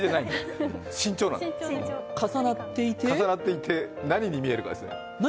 重なっていて、何に見えるかですね。